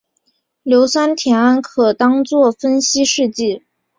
硫酸铁铵可当作分析试剂。